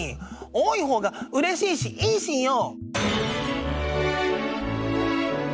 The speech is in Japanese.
多い方がうれしいしいいしんよ！